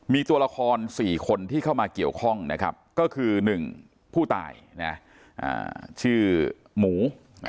มีตัวละคร๔คนที่เข้ามาเกี่ยวข้องนะครับก็คือ๑ผู้ตายชื่อหมู